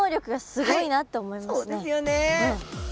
そうですよね！